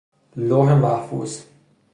لوح محفوظ